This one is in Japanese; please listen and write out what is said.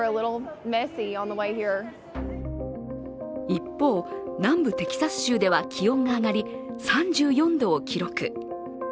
一方、南部テキサス州では気温が上がり３４度を記録。